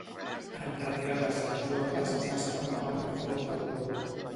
En retirar les rajoles es va escampar una forta pudor.